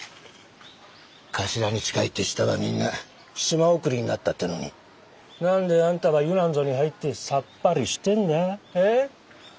頭に近い手下はみんな島送りになったってぇのに何であんたは湯なんぞに入ってさっぱりしてんだ？え？